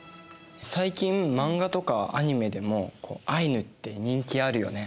最近漫画とかアニメでもアイヌって人気あるよね。